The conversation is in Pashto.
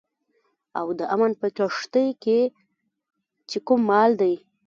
او د امن په کښتئ کې چې کوم مال دی